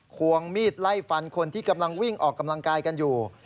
ควงมีดไล่ฟันคนที่กำลังวิ่งออกกำลังกายกันอยู่